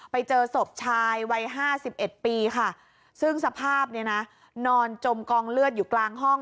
ไปเจอสกชายวัยห้าสิบเอ็ดปีซึ่งสภาพนอนจมกองเลือดอยู่กลางห้อง